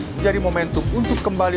menjadi momentum untuk kembali